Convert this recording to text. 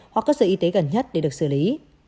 hoặc cơ sở y tế gần nhất để được xử lý